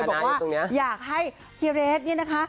บอกว่าอยากให้พี่เรสเนี่ยนะคะ